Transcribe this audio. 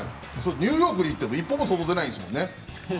ニューヨークに行っても一歩も外に出ないんですもんね。